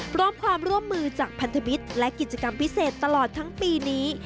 พร้อมความร่วมมือจากพันธมิตรและกิจกรรมพิเศษตลอดทั้งปีนี้